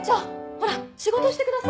ほら仕事してください。